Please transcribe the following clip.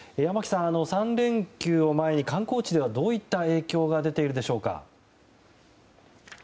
山木さん、３連休を前に観光地ではどういった影響が出ているでしょうか。